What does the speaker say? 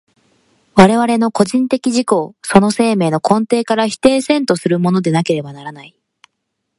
我々の個人的自己をその生命の根底から否定せんとするものでなければならない。